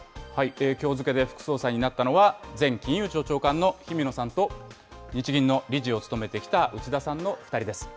きょう付けで副総裁になったのは、前金融庁長官の氷見野さんと、日銀の理事を務めてきた内田さんの２人です。